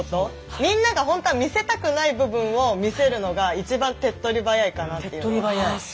みんながほんとは見せたくない部分を見せるのが一番手っ取り早いかなっていうのは。